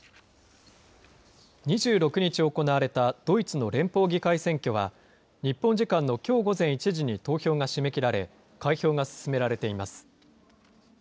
２６日行われたドイツの連邦議会選挙は、日本時間のきょう午前１時に投票が締め切られ、開票が進められています。